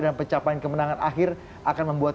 dan pencapaian kemenangan akhir akan membuat